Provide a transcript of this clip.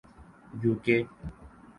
you کے